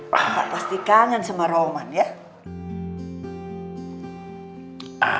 bapak pasti kangen sama roman ya